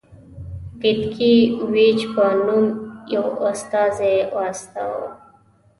ویتکي ویچ په نوم یو استازی واستاوه.